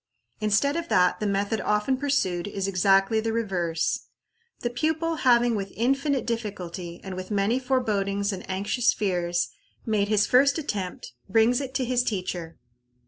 Instead of that, the method often pursued is exactly the reverse. The pupil having with infinite difficulty, and with many forebodings and anxious fears, made his first attempt, brings it to his teacher.